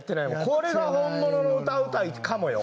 これが本物の歌歌いかもよ。